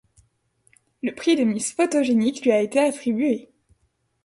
Le prix de Miss Photogénique lui a été attribué.